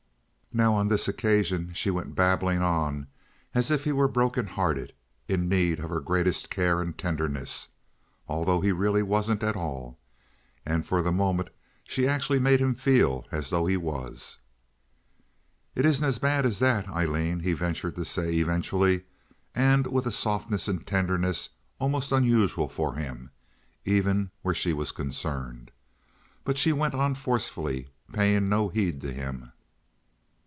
Now on this occasion she went babbling on as if he were broken hearted, in need of her greatest care and tenderness, although he really wasn't at all; and for the moment she actually made him feel as though he was. "It isn't as bad as that, Aileen," he ventured to say, eventually; and with a softness and tenderness almost unusual for him, even where she was concerned, but she went on forcefully, paying no heed to him.